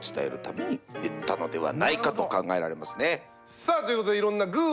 さあということでいろんな「グぅ！